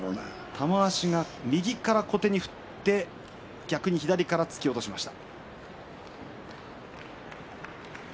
玉鷲が右から小手に振って逆に左から突き落としました。